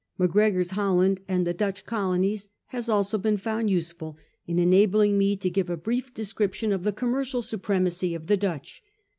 Macgregor*s * Holland and the Dutch Colonies* has also been found useful in enabling me to give a brief description of the commercial supremacy of the Dutch.